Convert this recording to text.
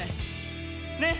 ねっ！